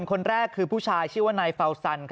คนแรกคือผู้ชายชื่อว่านายเฟาซัน